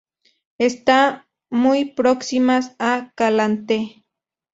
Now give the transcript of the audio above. Están muy próximas a "Calanthe".